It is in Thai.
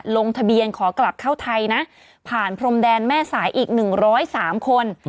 ลงทะเบียนขอกลับเข้าไทยนะผ่านพรมแดนแม่สายอีก๑๐๓คน